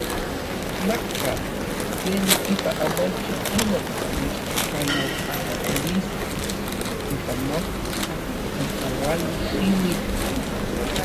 Tlakatl tlen ipa omochij inon neskayopajtilistli yopanoka ompouali xiuitl.